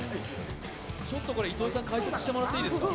これ糸井さん、解説してもらっていいですか？